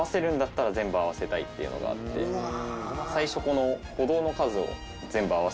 最初この。